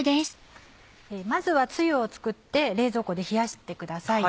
まずはつゆを作って冷蔵庫で冷やしてください。